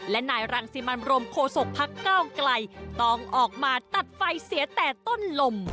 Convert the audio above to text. และนายรังสิมันโรมโคศกพักเก้าไกลต้องออกมาตัดไฟเสียแต่ต้นลม